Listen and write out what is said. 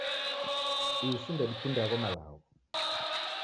isi ndedikunde agho malagho